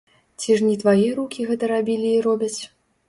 Ці ж не твае рукі гэта рабілі і робяць?